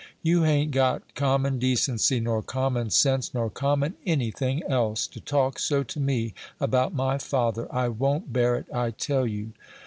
You hain't got common decency, nor common sense, nor common any thing else, to talk so to me about my father; I won't bear it, I tell you."